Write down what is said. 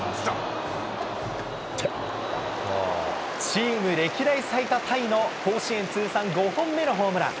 チーム歴代最多タイの甲子園通算５本目のホームラン。